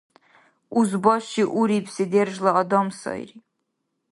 Юзбаши урибси держла адам сайри.